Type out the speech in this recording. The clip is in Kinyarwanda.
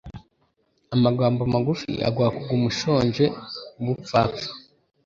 amagambo magufi aguha kuguma ushonje ubupfapfa